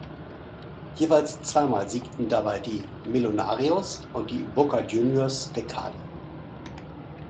Jeweils zweimal siegten dabei die Millonarios und die Boca Juniors de Cali.